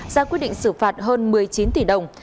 ra quyết định xử phạt hơn một mươi chín tỷ đồng